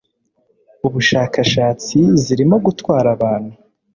ubushakashatsi zirimo gutwara abantu